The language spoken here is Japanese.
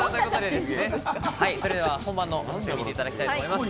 それでは本番の写真を見ていただきたいと思います。